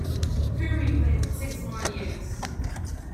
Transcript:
Krumrie played six more years.